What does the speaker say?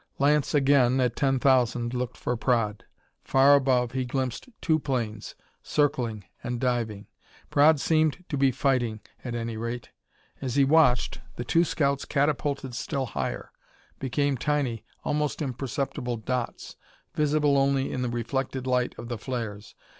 Lance, again at ten thousand, looked for Praed. Far above, he glimpsed two planes, circling and diving. Praed seemed to be fighting, at any rate! As he watched, the two scouts catapulted still higher; became tiny, almost imperceptible dots, visible only in the reflected light of the flares.